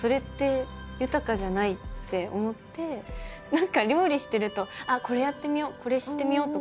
何か料理してるとこれやってみようこれしてみようとか。